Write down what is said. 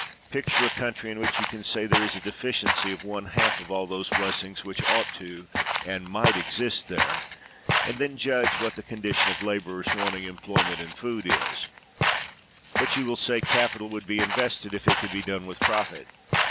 Picture a country in which you can say there is a deficiency of one half of all those blessings 159 THE WORLD'S FAMOUS ORATIONS which ought to, and might, exist there, and then judge what the condition of laborers wanting employment and food is. But you will say, capital would be invested if it could be done with profit.